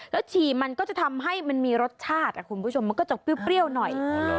แล้วฉี่มันก็จะทำให้มันมีรสชาติคุณผู้ชมมันก็จะเปรี้ยวหน่อย